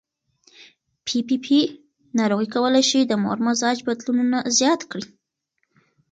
پي پي پي ناروغي کولی شي د مور مزاج بدلونونه زیات کړي.